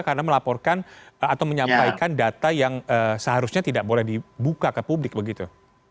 karena melaporkan atau menyampaikan data yang seharusnya tidak boleh dibuka ke publik begitu